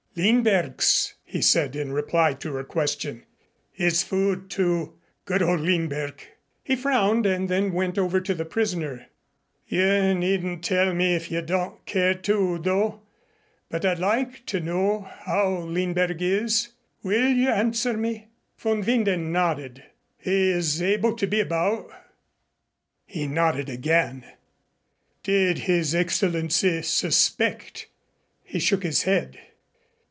"Lindberg's," he said in reply to her question. "His food, too. Good old Lindberg." He frowned and then went over to the prisoner. "You needn't tell me if you don't care to, Udo, but I'd like to know how Lindberg is. Will you answer me?" Von Winden nodded. "He is able to be about?" He nodded again. "Did His Excellency suspect?" He shook his head.